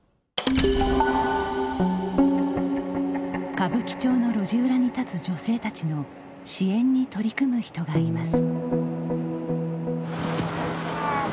歌舞伎町の路地裏に立つ女性たちの支援に取り組む人がいます。